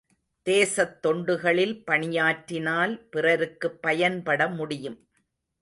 தேசத் தொண்டுகளில் பணியாற்றினால், பிறருக்குப் பயன்பட முடியும்.